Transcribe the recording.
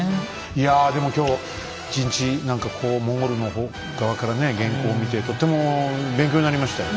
いやでも今日１日何かこうモンゴルの側からね元寇見てとっても勉強になりましたよ。